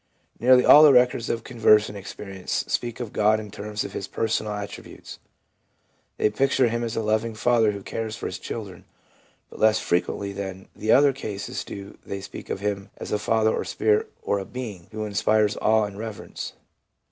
Nearly all the records of conversion experience speak of God in terms of His personal attributes. They picture Him as a loving Father who cares for His children ; but less frequently than the other cases do they speak of Him as a Father or Spirit, or a Being who inspires awe and reverence.